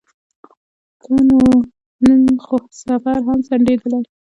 ښه نو نن خو سفر هم ځنډېدلی.